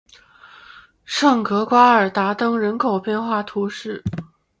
圣格雷瓜尔达登人口变化图示